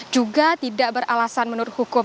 juga tidak beralasan menurut hukum